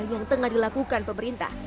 yang tengah dilakukan pemerintah